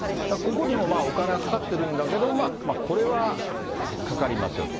ここにもお金がかかってるんだけども、これはかかりますよと。